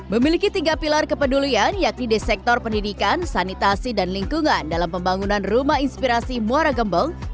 memiliki tiga pilar kepedulian yakni di sektor pendidikan sanitasi dan lingkungan dalam pembangunan rumah inspirasi muara gembong